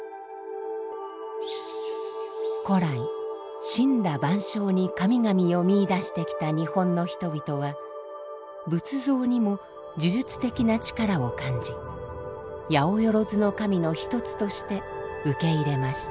古来森羅万象に神々を見いだしてきた日本の人々は仏像にも呪術的な力を感じ八百万の神の一つとして受け入れました。